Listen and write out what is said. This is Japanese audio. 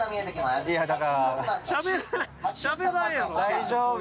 ◆大丈夫？